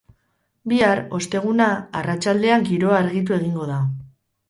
Bihar, osteguna, arratsaldean, giroa argitu egingo da.